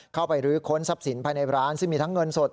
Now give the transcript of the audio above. เข้าไปรื้อค้นทรัพย์สินภายในร้านซึ่งมีทั้งเงินสด